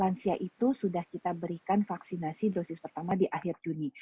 lansia itu sudah kita berikan vaksinasi dosis pertama di akhir juni